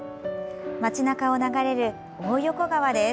町中を流れる大横川です。